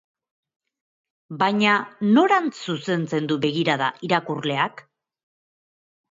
Baina norantz zuzentzen du begirada irakurleak?